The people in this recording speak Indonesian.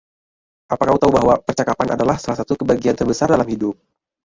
Apa kau tahu bahwa percakapan adalah salah satu kebahagiaan terbesar dalam hidup?